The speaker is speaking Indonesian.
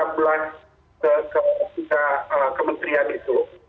dari ketiga bulan kementerian itu